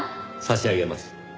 差し上げます。